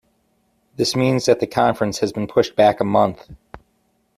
This means that the conference has been pushed back a month.